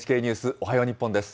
おはよう日本です。